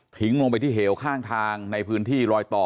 ลงไปที่เหวข้างทางในพื้นที่รอยต่อ